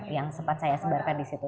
yang sempat saya sebarkan di situ